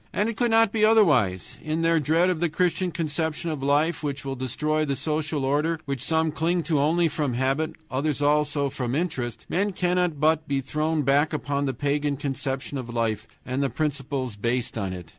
And it could not be otherwise. In their dread of the Christian conception of life which will destroy the social order, which some cling to only from habit, others also from interest, men cannot but be thrown back upon the pagan conception of life and the principles based on it.